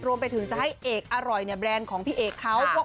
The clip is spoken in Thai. รวมไปถึงจะให้เอกอร่อยเนี่ยแบรนด์ของพี่เอกเขาว่า